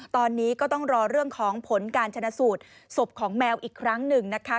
ตอนนี้ก็ต้องรอเรื่องของผลการชนะสูตรศพของแมวอีกครั้งหนึ่งนะคะ